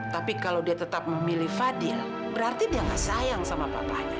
tapi kalau dia tetap memilih fadil berarti dia gak sayang sama papanya